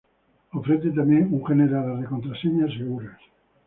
ofrece también un generador de contraseñas seguras